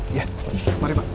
iya mari pak